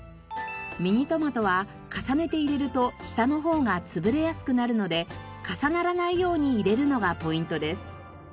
ミニトマトは重ねて入れると下の方が潰れやすくなるので重ならないように入れるのがポイントです。